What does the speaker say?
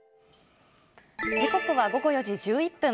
時刻は午後４時１１分。